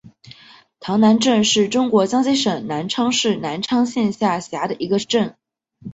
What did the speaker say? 塘南镇是中国江西省南昌市南昌县下辖的一个镇。